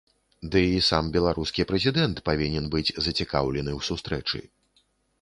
Ды і сам беларускі прэзідэнт павінен быць зацікаўлены ў сустрэчы.